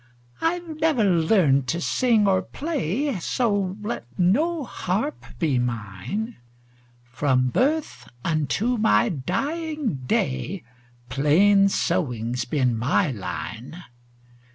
I 've never learned to sing or play, So let no harp be mine; From birth unto my dying day, Plain sewing 's been my line.